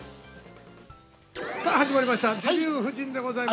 ◆さあ始まりました「デビュー夫人」でございます。